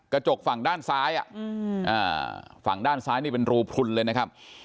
กระจกฝั่งด้านซ้ายฝั่งด้านซ้ายนี่เป็นรูพลุนเลยนะครับ